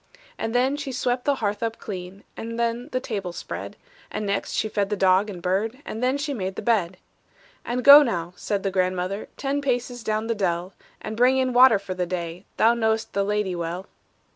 And then she swept the hearth up clean, And then the table spread; And next she fed the dog and bird; And then she made the bed. "And go now," said the grandmother, "Ten paces down the dell, And bring in water for the day, Thou know'st the lady well."